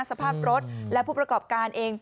สภาพรถและผู้ประกอบการเอง